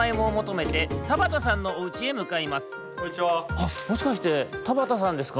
あっもしかして田畑さんですか？